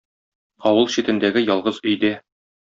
Авыл читендәге ялгыз өйдә